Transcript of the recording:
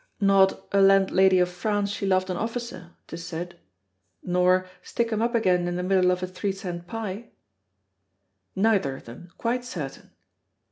"Not 'a Landlady of France she loved an Officer, 'tis said,' nor 'stick 'em up again in the middle of a three cent pie'?" "Neither of them quite certain."